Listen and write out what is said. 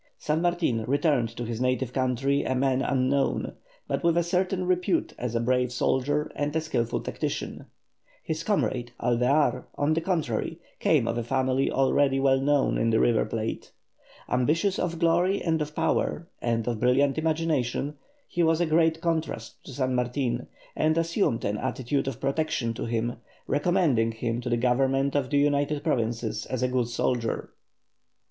San Martin returned to his native country a man unknown, but with a certain repute as a brave soldier and a skilful tactician. His comrade, Alvear, on the contrary, came of a family already well known in the River Plate. Ambitious of glory and of power, and of a brilliant imagination, he was a great contrast to San Martin, and assumed an attitude of protection to him, recommending him to the Government of the United Provinces as a good soldier.